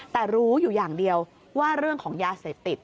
แต่รู้อยู่อย่างเดียวว่าเรื่องของยาเสพติด